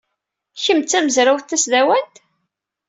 Kemm d tamezrawt tasdawant?